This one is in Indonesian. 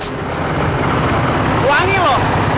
dan berwarna putih berwarna putih